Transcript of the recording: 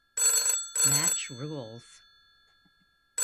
Match rules